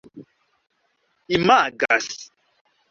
imagas